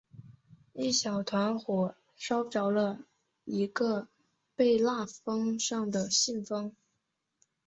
一小团火烧着了一个被封蜡封上的信封。